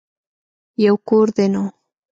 يو کور دی نو.